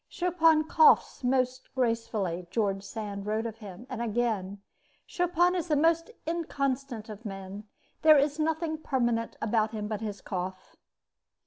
"Chopin coughs most gracefully," George Sand wrote of him, and again: Chopin is the most inconstant of men. There is nothing permanent about him but his cough.